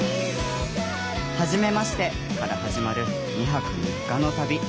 「はじめまして」から始まる２泊３日の旅。